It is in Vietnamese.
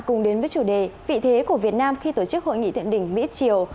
cùng đến với chủ đề vị thế của việt nam khi tổ chức hội nghị thượng đỉnh mỹ triều